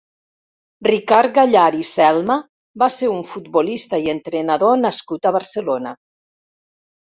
Ricard Gallart i Selma va ser un futbolista i entrenador nascut a Barcelona.